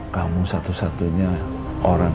dan pebisnis kekuasaan